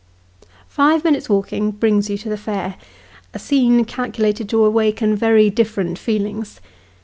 Five minutes' walking brings you to the fair ; a scene calculated to awaken very different feelings.